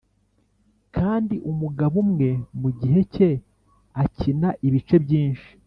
kandi umugabo umwe mugihe cye akina ibice byinshi,